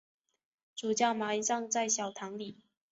主教埋葬在小堂里。